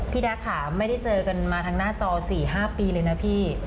แด๊กค่ะไม่ได้เจอกันมาทางหน้าจอ๔๕ปีเลยนะพี่